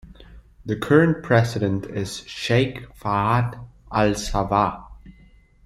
The current president is Sheikh Fahad Al-Sabah.